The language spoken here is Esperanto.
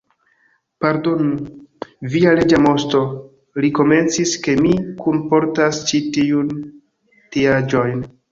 "Pardonu, via Reĝa Moŝto," li komencis, "ke mi kunportas ĉi tiujn teaĵojn.